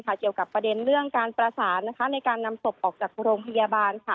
เกี่ยวกับประเด็นเรื่องการประสานในการนำศพออกจากโรงพยาบาล